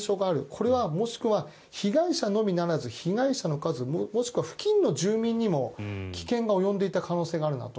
これはもしくは被害者のみならず被害者の家族もしくは付近の住民にも危険が及んでいた可能性があるなと。